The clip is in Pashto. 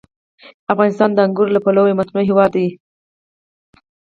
افغانستان د انګورو له پلوه یو متنوع هېواد دی.